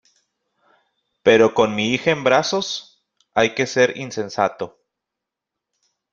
pero con mi hija en brazos. hay que ser insensato